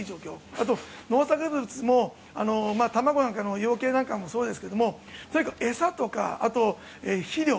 あと農作物も卵なんかの養鶏なんかもそうですがとにかく餌とかあと、肥料。